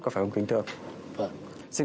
có phải không kính thưa ông vâng